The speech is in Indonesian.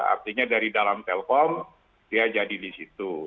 artinya dari dalam telkom dia jadi di situ